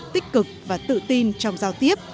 tích cực và tự tin trong giao tiếp